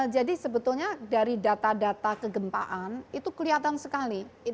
jadi sebetulnya dari data data kegempaan itu kelihatan sekali